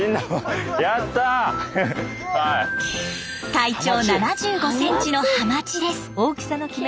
体長７５センチのハマチです。